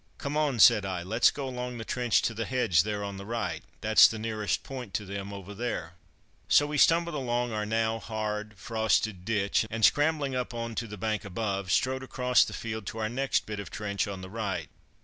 "Come on," said I, "let's go along the trench to the hedge there on the right that's the nearest point to them, over there." So we stumbled along our now hard, frosted ditch, and scrambling up on to the bank above, strode across the field to our next bit of trench on the right.